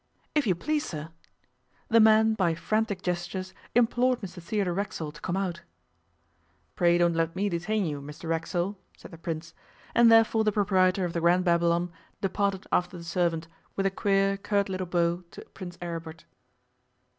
'If you please, sir,' the man by frantic gestures implored Mr Theodore Racksole to come out. 'Pray don't let me detain you, Mr Racksole,' said the Prince, and therefore the proprietor of the Grand Babylon departed after the servant, with a queer, curt little bow to Prince Aribert.